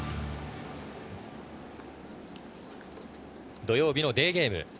土曜日のデーゲーム。